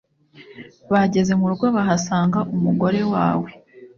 bageze mu rugo, bahasanga umugore wawe